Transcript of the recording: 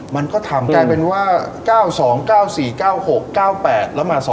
มันก็ทำกลายเป็นว่า๙๒๙๔๙๖๙๘แล้วมา๒